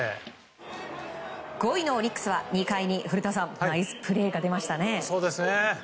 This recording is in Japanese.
５位のオリックスは２回に古田さんナイスプレーが出ましたね。